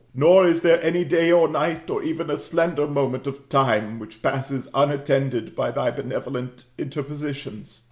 Nor is there any day or night, or even a slender moment of time, which passes unattended by thy benevolent interpositions.